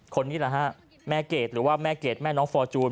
คนนี้แหละฮะแม่เกดหรือว่าแม่เกดแม่น้องฟอร์จูน